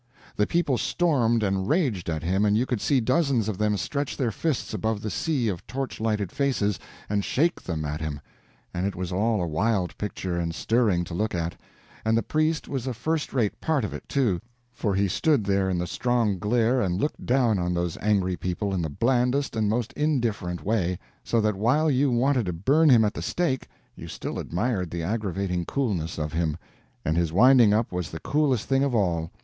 The people stormed and raged at him, and you could see dozens of them stretch their fists above the sea of torch lighted faces and shake them at him; and it was all a wild picture, and stirring to look at; and the priest was a first rate part of it, too, for he stood there in the strong glare and looked down on those angry people in the blandest and most indifferent way, so that while you wanted to burn him at the stake, you still admired the aggravating coolness of him. And his winding up was the coolest thing of all.